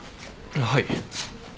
はい。